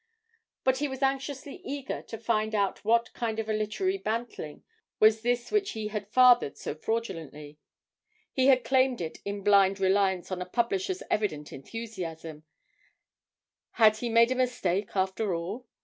But he was anxiously eager to find out what kind of a literary bantling was this which he had fathered so fraudulently; he had claimed it in blind reliance on the publisher's evident enthusiasm had he made a mistake after all?